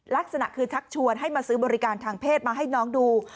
ลักษณะคือชักชวนให้มาซื้อบริการทางเพศมาให้น้องดู